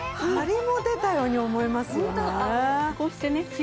ハリも出たように思えますよね。